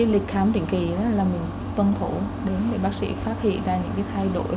lịch khám định kỳ là tuân thủ để bác sĩ phát hiện ra những thay đổi